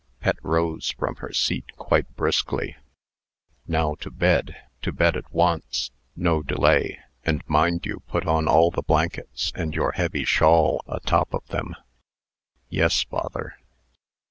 Pet rose from her seat quite briskly. "Now to bed. To bed at once. No delay. And mind you put on all the blankets, and your heavy shawl a top of them." "Yes, father."